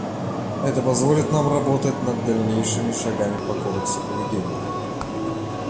Это позволит нам работать над дальнейшими шагами по кодексу поведения.